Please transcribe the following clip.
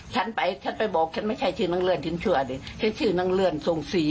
ข้านไปบอกข้ายังไม่ใช้ชื่อนางเลือนมาชื่อส่งศรี